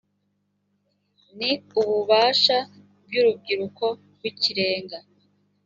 ni ububasha by urukiko rw ikirenga